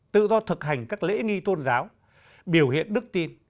tự do thực hành các lễ nghi tôn giáo biểu hiện đức tin